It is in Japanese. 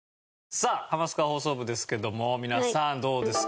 さあ『ハマスカ放送部』ですけども皆さんどうですか？